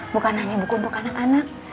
bukan hanya buku untuk anak anak